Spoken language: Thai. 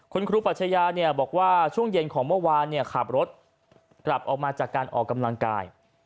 คุณครูปัชยาบอกว่าช่วงเย็นของเมื่อวานขับรถกลับออกมาจากการออกกำลังกาย